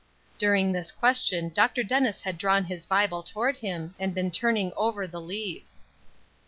During this question Dr. Dennis had drawn his Bible toward him and been turning over the leaves.